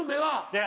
いや。